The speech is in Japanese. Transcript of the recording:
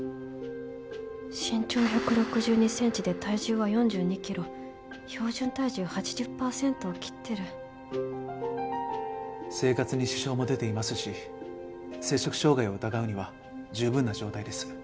身長１６２センチで体重は４２キロ標準体重８０パーセントを切ってる生活に支障も出ていますし摂食障害を疑うには十分な状態です。